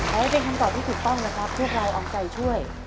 ขอให้เป็นคำตอบที่ถูกต้องนะครับพวกเราเอาใจช่วย